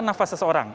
pusat nafas seseorang